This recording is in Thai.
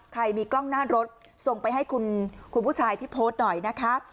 ใครมีกล้องหน้ารถส่งไปให้คุณผู้ชายที่โพสต์หน่อยนะคะ